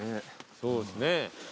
そうですね。